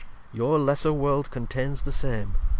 Your lesser World contains the same.